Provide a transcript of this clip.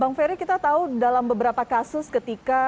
bang ferry kita tahu dalam beberapa kasus ketika